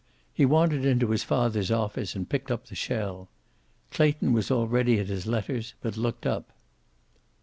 He wandered into his father's office, and picked up the shell. Clayton was already at his letters, but looked up.